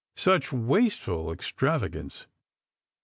Such wasteful extravagance